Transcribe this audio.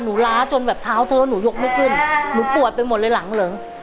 ล้าจนแบบเท้าเธอหนูยกไม่ขึ้นหนูปวดไปหมดเลยหลังเหลิง